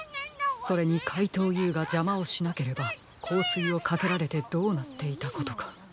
それにかいとうＵがじゃまをしなければこうすいをかけられてどうなっていたことか。